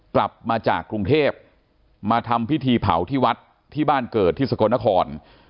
กลับมาจากกรุงเทพมาทำพิธีเผาที่วัดที่บ้านเกิดที่สกลนคร